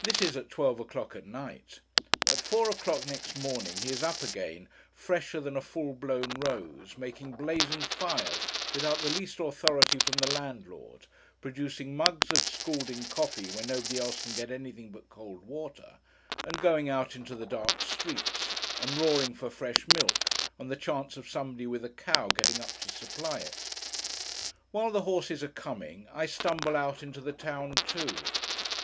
This is at twelve o'clock at night. At four o'clock next morning, he is up again, fresher than a full blown rose; making blazing fires without the least authority from the landlord; producing mugs of scalding coffee when nobody else can get anything but cold water; and going out into the dark streets, and roaring for fresh milk, on the chance of somebody with a cow getting up to supply it. While the horses are 'coming,' I stumble out into the town too.